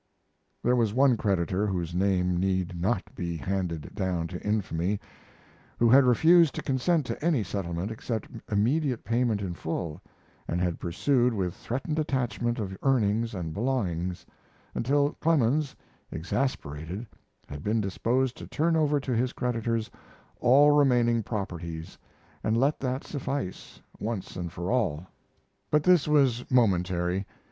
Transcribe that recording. There was one creditor, whose name need, not be "handed down to infamy," who had refused to consent to any settlement except immediate payment in full, and had pursued with threatened attachment of earnings and belongings, until Clemens, exasperated, had been disposed to turn over to his creditors all remaining properties and let that suffice, once and for all. But this was momentary.